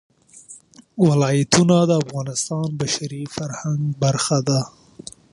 ولایتونه د افغانستان د بشري فرهنګ برخه ده.